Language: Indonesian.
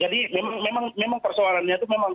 jadi memang persoalannya itu memang